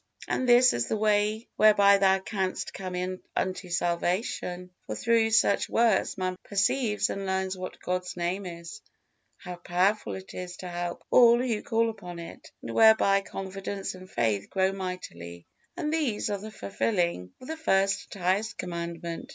And this is the way whereby thou canst come unto salvation; for through such works man perceives and learns what God's Name is, how powerful it is to help all who call upon it; and whereby confidence and faith grow mightily, and these are the fulfilling of the first and highest Commandment.